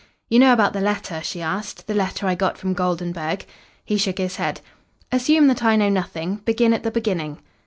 "You know about the letter?" she asked. "The letter I got from Goldenburg." He shook his head. "Assume that I know nothing. Begin at the beginning."